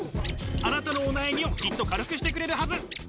あなたのお悩みをきっと軽くしてくれるはず。